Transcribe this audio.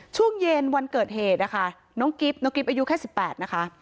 ช่วงเย็นวันเกิดเหตุนะคะน้องกิ๊บน้องกิ๊บอายุแค่๑๘นะคะ